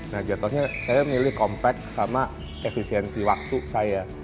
nah jatuhnya saya milih kompak sama efisiensi waktu saya